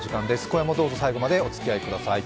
今夜もどうぞ最後までおつきあいください。